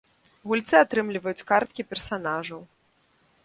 Гульцы атрымліваюць карткі персанажаў.